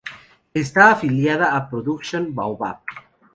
Está afiliada a Production Baobab.